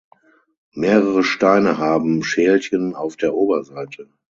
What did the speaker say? Mehrere Steine haben Schälchen auf der Oberseite.